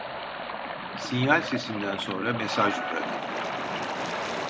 Sinyal sesinden sonra mesaj bırakın.